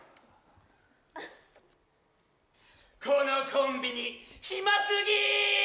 このコンビニ、暇すぎ！